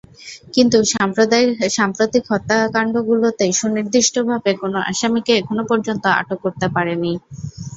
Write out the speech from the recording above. কিন্তু সাম্প্রতিক হত্যাকাণ্ডগুলোতে সুনির্দিষ্টভাবে কোনো আসামিকে এখনো পর্যন্ত আটক করতে পারেনি।